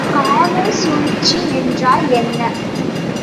கானோ சுழற்சி என்றால் என்ன?